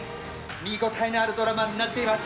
見ごたえのあるドラマになっています。